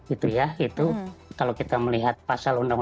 itu ya itu kalau kita melihat pasal undang undang